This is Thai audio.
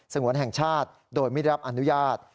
งวนแห่งชาติโดยไม่ได้รับอนุญาต